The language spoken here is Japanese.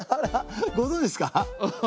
ご存じですか？